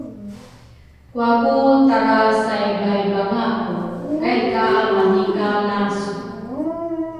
kuaku tarasaibaibangaku. Kai ka amani ka lasu.